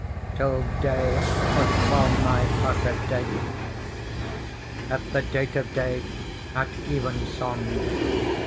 Till day was well nigh passed date. " At the date of day, at evensong.